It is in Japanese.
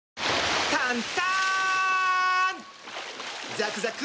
ザクザク！